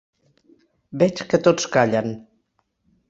Veig que tots callen.